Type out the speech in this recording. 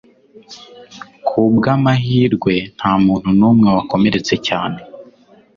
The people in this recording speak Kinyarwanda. Ku bw'amahirwe nta muntu numwe wakomeretse cyane